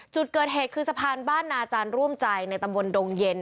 จุดเกิดเหตุคือสะพานบ้านนาจารย์ร่วมใจในตำบลดงเย็น